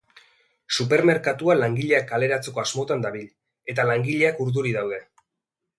Supermerkatua langileak kaleratzeko asmotan dabil eta langileak urduri daude.